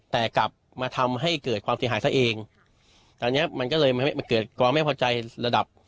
แต่กลับมาทำให้เกิดความเสียหายซะเองตอนเนี้ยมันก็เลยเกิดความไม่พอใจระดับ